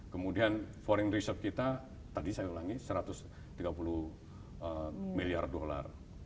kemudian foreig reserve kita tadi saya ulangi satu ratus tiga puluh miliar dolar